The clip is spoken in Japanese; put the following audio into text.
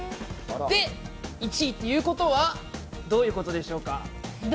で、１位ということはどういうことでしょうか。